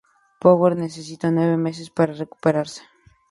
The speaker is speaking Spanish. Powers necesitó nueve meses para recuperarse.